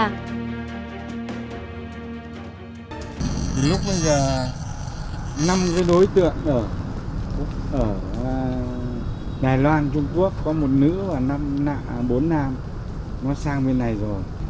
từ lúc bây giờ năm đối tượng ở đài loan trung quốc có một nữ và bốn nam nó sang bên này rồi